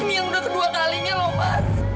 ini yang sudah kedua kalinya mas